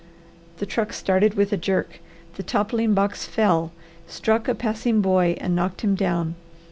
The truck started with a jerk. The toppling box fell, struck a passing boy, and knocked him down.